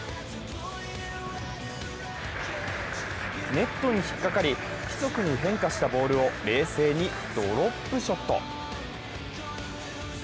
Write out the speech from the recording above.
ネットに引っかかり、不規則に変化したボールを冷静にドロップショット。